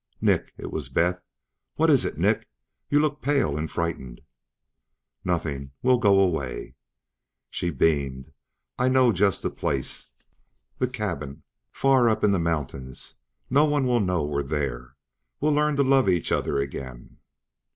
"Nick?" It was Beth. "What is it, Nick? You look pale and frightened." "Nothing. We'll go away." She beamed. "I know just the place. The cabin. Far up in the mountains. No one will know we're there. We'll learn to love each other again."